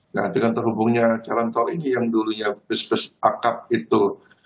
nah dengan terhubungnya jalan tol ini yang dulunya bus bus akap itu